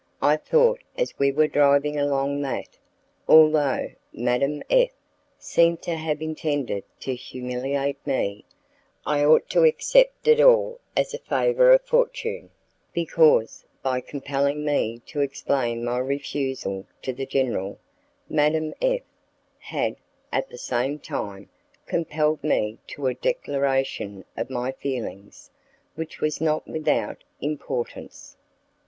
I thought as we were driving along that, although Madame F seemed to have intended to humiliate me, I ought to accept it all as a favour of fortune, because, by compelling me to explain my refusal to the general; Madame F had, at the same time, compelled me to a declaration of my feelings, which was not without importance.